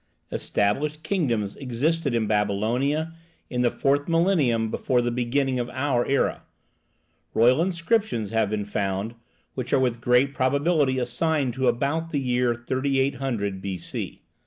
Established kingdoms existed in Babylonia in the fourth millennium before the beginning of our era; royal inscriptions have been found which are with great probability assigned to about the year 3800 B.C.